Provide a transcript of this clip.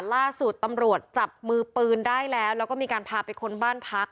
ล่าสุดตำรวจจับมือปืนได้แล้วแล้วก็มีการพาไปค้นบ้านพัก